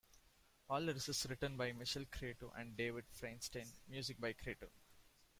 "All lyrics written by Michael Cretu and David Fairstein, music by Cretu.